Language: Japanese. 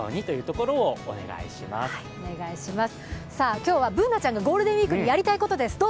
今日はＢｏｏｎａちゃんがゴールデンウイークにやりたいことです。